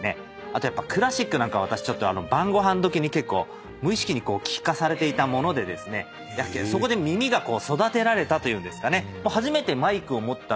あとクラシックなんか私晩ご飯時に結構無意識に聞かされていたものでそこで耳が育てられたというんですかね。